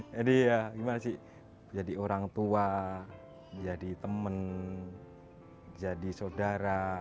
jadi ya gimana sih jadi orang tua jadi teman jadi saudara